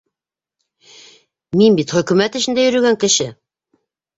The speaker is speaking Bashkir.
Мин бит хөкөмәт эшендә йөрөгән кеше!